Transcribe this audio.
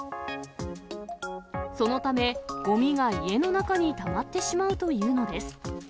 そのため、ごみが家の中にたまってしまうというのです。